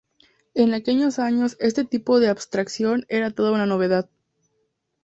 En aquellos años este tipo de abstracción era toda una novedad.